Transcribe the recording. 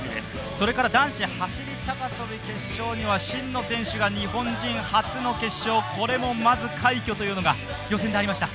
それから男子走高跳決勝には真野選手が日本人初の決勝、これも快挙というのが予選でありました。